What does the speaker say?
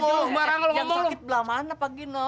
yang sakit belah mana pak gino